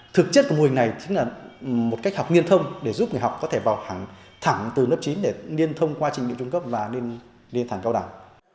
thực chất của mô hình này chính là một cách học nghiên thông để giúp người học có thể vào thẳng từ lớp chín để liên thông qua trình nghiệp trung cấp và lên thẳng cao đẳng